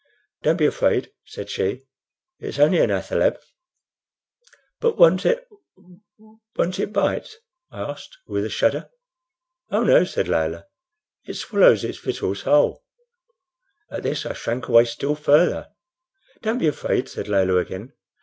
"Don't be afraid," said she; "it's only an athaleb." "But won't it won't it bite?" I asked, with a shudder. "Oh no," said Layelah; "it swallows its victuals whole." At this I shrank away still farther. "Don't be afraid," said Layelah again.